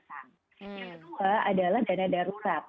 yang kedua adalah dana darurat